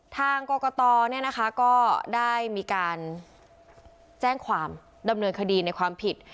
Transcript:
ทางกรกตก็ได้มีการแจ้งความดำเนินคดีในความผิด